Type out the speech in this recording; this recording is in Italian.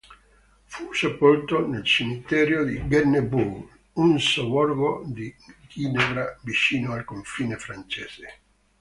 Fu sepolto nel cimitero di Chêne-Bourg, un sobborgo di Ginevra vicino al confine francese.